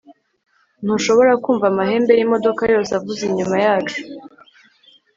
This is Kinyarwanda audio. ntushobora kumva amahembe yimodoka yose avuza inyuma yacu